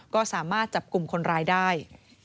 ก็สามารถจับกลุ่มคนร้ายได้